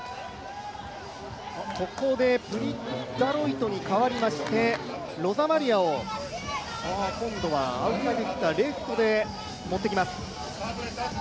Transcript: ここでプリ・ダロイトに代わりましてロザマリアをアウトサイドヒッター、レフトでもってきます。